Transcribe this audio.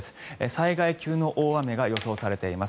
災害級の大雨が予想されています。